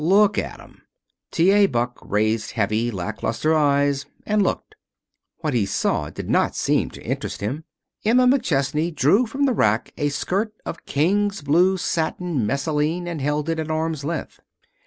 "Look at 'em!" T. A. Buck raised heavy, lack luster eyes and looked. What he saw did not seem to interest him. Emma McChesney drew from the rack a skirt of king's blue satin messaline and held it at arm's length.